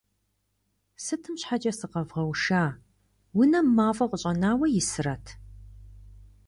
Сытым щхьэкӀэ сыкъэвгъэуша? Унэм мафӀэ къыщӀэнауэ исрэт?!